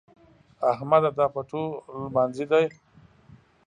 احمده! دا پټو لمانځي دی؟